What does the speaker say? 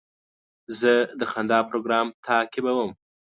زه د خندا پروګرام تعقیبوم.